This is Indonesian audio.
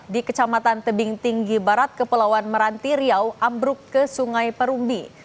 di kecamatan tebing tinggi barat kepulauan meranti riau ambruk ke sungai perumbi